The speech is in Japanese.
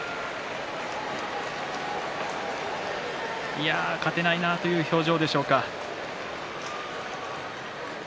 いやあ、勝てないなという表情でしょうか。